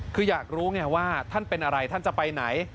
คืออยากรู้ไงว่าท่านเป็นอะไรท่านจะไปไหน